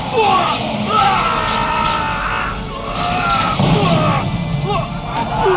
aku akan mencari